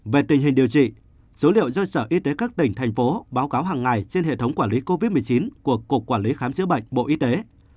về tình hình điều trị số liệu do sở y tế các tỉnh thành phố báo cáo hàng ngày trên hệ thống quản lý covid một mươi chín của cục quản lý khám chữa bệnh bộ y tế